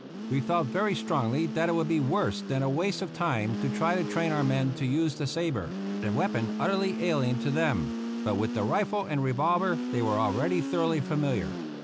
We felt very strongly that it would be worse than a waste of time to try to train our men to use the sabre — a weapon utterly alien to them; but with the rifle and revolver they were already thoroughly familiar.